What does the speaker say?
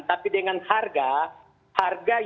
tapi dengan harga